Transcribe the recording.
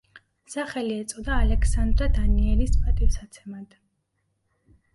სახელი ეწოდა ალექსანდრა დანიელის პატივსაცემად.